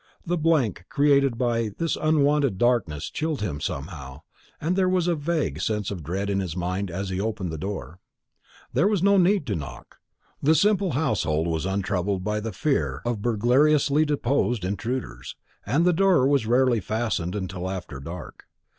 The blank created by this unwonted darkness chilled him somehow, and there was a vague sense of dread in his mind as he opened the door. There was no need to knock. The simple household was untroubled by the fear of burglariously disposed intruders, and the door was rarely fastened until after dark.